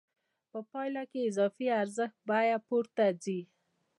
په پایله کې د اضافي ارزښت بیه پورته ځي